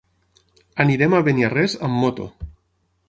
Anirem a Beniarrés amb moto.